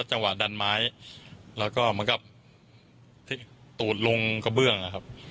จังหวะดันไม้แล้วก็เหมือนกับที่ตูดลงกระเบื้องนะครับ